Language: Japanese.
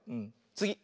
つぎ！